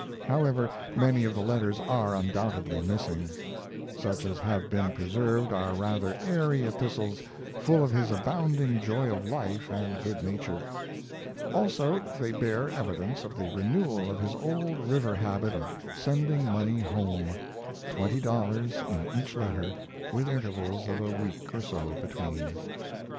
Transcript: However, many of the letters are undoubtedly missing. Such as have been preserved are rather airy epistles full of his abounding joy of life and good nature. Also they bear evidence of the renewal of his old river habit of sending money home twenty dollars in each letter, with intervals of a week or so between.